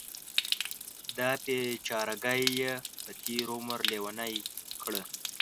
دا بیچارګۍ یې په تېر عمر لیونۍ کړه.